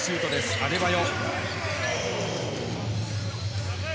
アデバヨ。